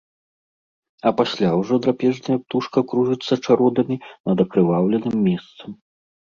А пасля ўжо драпежная птушка кружыцца чародамі над акрываўленым месцам.